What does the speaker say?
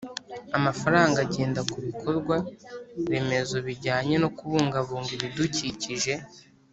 amafaranga agenda ku bikorwa remezo bijyanye no kubungabunga ibidukikije,